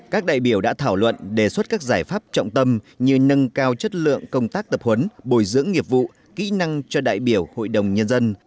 các đại biểu đã thảo luận đề xuất các giải pháp trọng tâm như nâng cao chất lượng công tác tập huấn bồi dưỡng nghiệp vụ kỹ năng cho đại biểu hội đồng nhân dân